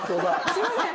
すいません！